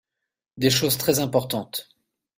Des choses très importantes.